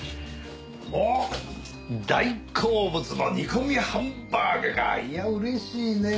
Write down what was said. おっ大好物の煮込みハンバーグかいやうれしいね。